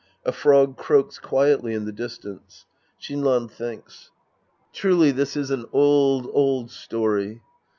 A frog croaks quietly in the dis tance. Shinran thinks^ Truly this is an old, old story.